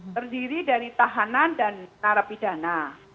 terdiri dari tahanan dan narapidana